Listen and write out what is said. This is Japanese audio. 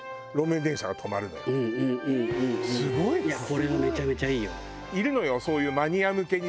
これはめちゃめちゃいいよ。